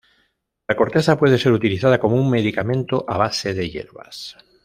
La corteza puede ser utilizada como un medicamento a base de hierbas.